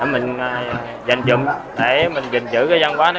mình dành dùm để mình giữ cái văn hóa